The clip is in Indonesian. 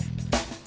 tunggu nanti aja